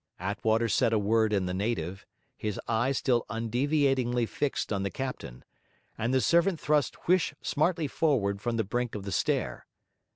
Attwater said a word in the native, his eye still undeviatingly fixed on the captain; and the servant thrust Huish smartly forward from the brink of the stair.